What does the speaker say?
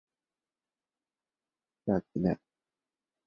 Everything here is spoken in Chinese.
加提奈地区巴尔维勒人口变化图示